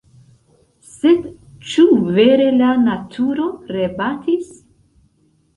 Sed ĉu vere la naturo rebatis?